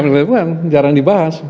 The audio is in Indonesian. hampir dilupakan jarang dibahas